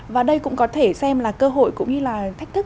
và đây cũng có thể xem là cơ hội cũng như là thách thức